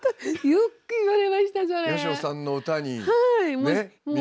よく言われました。